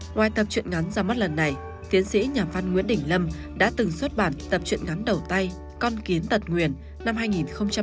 ngoài tập truyện ngắn ra mắt lần này tiến sĩ nhà văn nguyễn đình lâm đã từng xuất bản tập truyện ngắn đầu tay con kiến tật nguyện năm hai nghìn bốn